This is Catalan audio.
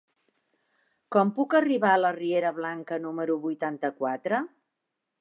Com puc arribar a la riera Blanca número vuitanta-quatre?